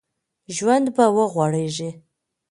ژوند به وغوړېږي